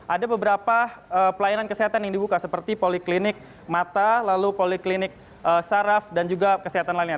ada beberapa pelayanan kesehatan yang dibuka seperti poliklinik mata lalu poliklinik saraf dan juga kesehatan lainnya